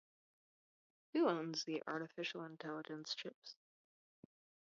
Who owns the artificial intelligence chips?